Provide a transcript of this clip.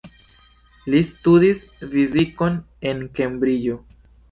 Li studis fizikon en Kembriĝo.